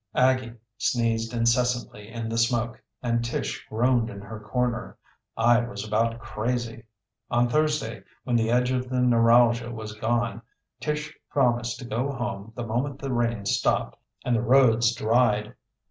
Aggie sneezed incessantly in the smoke, and Tish groaned in her corner. I was about crazy. On Thursday, when the edge of the neuralgia was gone, Tish promised to go home the moment the rain stopped and the roads dried.